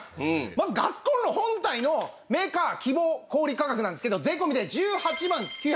まずガスコンロ本体のメーカー希望小売価格なんですけど税込で１８万９５０円します。